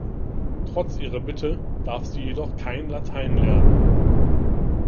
Trotz ihrer Bitte darf sie jedoch kein Latein lernen.